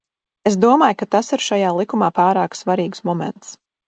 Es domāju, ka tas ir šajā likumā pārāk svarīgs moments.